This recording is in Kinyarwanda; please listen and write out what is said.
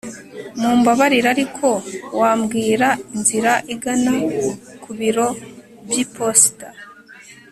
Mumbabarire ariko wambwira inzira igana ku biro byiposita